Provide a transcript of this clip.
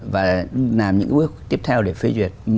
và làm những bước tiếp theo để phê duyệt